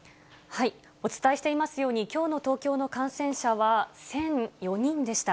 お伝えしていますように、きょうの東京の感染者は１００４人でした。